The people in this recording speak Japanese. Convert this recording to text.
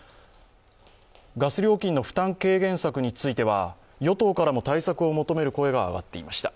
ガス料金の負担軽減策については与党からも対策を求める声が上がっていました。